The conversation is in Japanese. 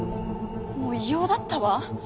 もう異様だったわ。